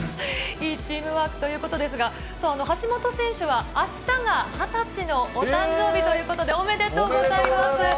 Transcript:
いいチームワークということですが、橋本選手は、あしたが２０歳のお誕生日ということで、おめでとうございます。